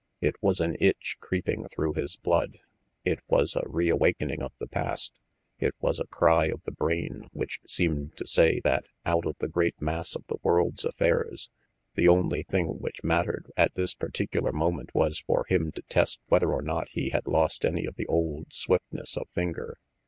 It was an itch creeping through his blood; it was a reawakening of the past; it was a cry of the brain which seemed to say that out of the great mass of the world's affairs the only thing which mattered at this particular moment was for him to test whether or not he had lost any of the old swiftness of finger.